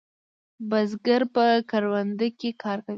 بزگر په کرونده کې کار کوي.